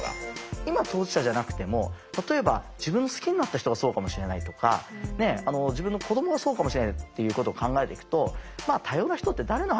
今当事者じゃなくても例えば自分が好きになった人がそうかもしれないとか自分の子どもがそうかもしれないっていうことを考えていくと多様な人って誰の話？